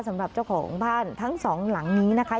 สำหรับเจ้าของบ้านทั้งสองหลังนี้นะคะ